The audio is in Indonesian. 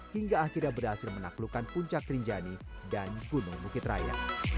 hingga akhirnya berhasil menaklukkan puncak rinjani dan gunung bukit raya